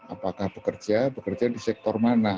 apakah bekerja bekerja di sektor mana